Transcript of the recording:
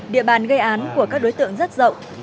địa bàn gây án của các đối tượng rất rộng